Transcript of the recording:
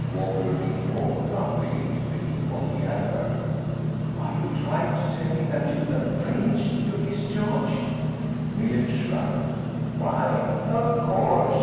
Walker leaned forward, unwilling to believe what he had heard. "Are you trying to tell me that you arranged your discharge?" Millet shrugged. "Why, of course.